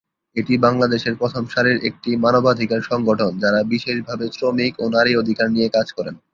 এটি বাংলাদেশের প্রথম সারির একটি মানবাধিকার সংগঠন যারা বিশেষভাবে শ্রমিক ও নারী অধিকার নিয়ে কাজ করেন।